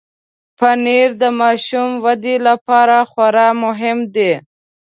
پنېر د ماشوم ودې لپاره خورا مهم دی.